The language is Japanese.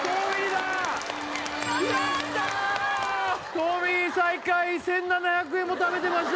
トミー最下位１７００円も食べてました